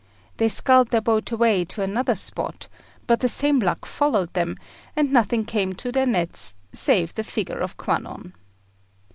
They sculled their boat away to another spot, but the same luck followed them, and nothing came to their nets save the figure of Kwannon.